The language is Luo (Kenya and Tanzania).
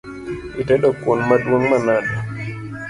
Itedo kuon maduong’ manade?